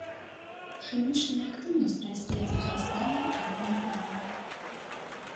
Хімічная актыўнасць расце з узрастаннем атамнага нумару.